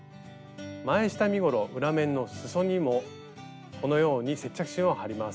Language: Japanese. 前下身ごろ裏面のすそにもこのように接着芯を貼ります。